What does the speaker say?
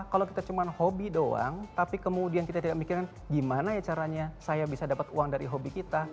kalau kita cuma hobi doang tapi kemudian kita tidak mikirkan gimana ya caranya saya bisa dapat uang dari hobi kita